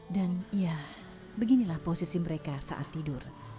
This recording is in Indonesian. dan ya beginilah posisi mereka saat tidur